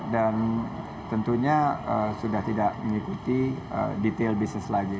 dan tentunya sudah tidak mengikuti detail bisnis lagi